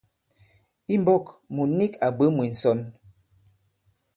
I mbɔ̄k mùt nik à bwě mwē ǹsɔn.